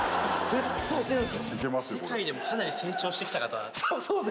世界でもかなり成長してきたそうね。